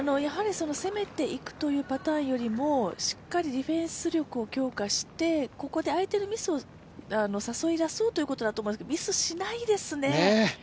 攻めていくというパターンよりもしっかりディフェンス力を強化してここで相手のミスを誘い出そうということだと思いますが、ミスしないですね。